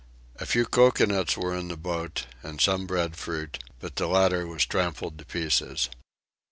A few coconuts were in the boat and some breadfruit, but the latter was trampled to pieces.